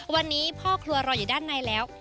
วันนี้พ่อครัวรออยู่ด้านในแล้ว